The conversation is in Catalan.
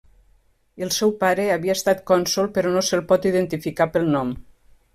El seu pare havia estat cònsol però no se'l pot identificar pel nom.